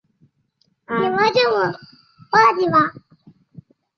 这是唯一一部由两位导演合作制片完成的超人电影。